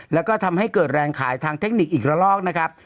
แล้วก็ทำให้เกิดแรงขายทางเทคนิคอีกระลอกนะครับ